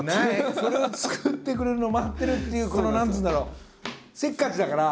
それを作ってくれるのを待ってるっていう何つうんだろうせっかちだから。